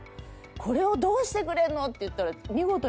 これをどうしてくれんの⁉って言ったら。